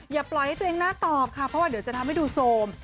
อย่าปล่อยให้ตัวเองน่าตอบค่ะเพราะว่าเดี๋ยวจะทำให้ดูโซม